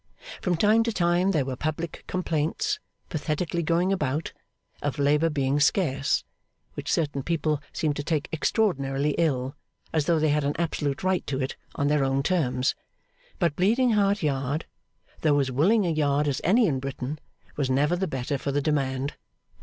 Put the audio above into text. From time to time there were public complaints, pathetically going about, of labour being scarce which certain people seemed to take extraordinarily ill, as though they had an absolute right to it on their own terms but Bleeding Heart Yard, though as willing a Yard as any in Britain, was never the better for the demand.